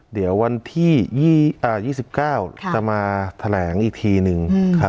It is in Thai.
เดี๋ยววันที่๒๙จะมาแถลงอีกทีนึงครับ